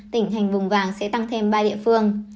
tỉnh hành vùng vàng sẽ tăng thêm ba địa phương